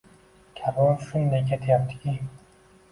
Karvon shunday ketayaptiki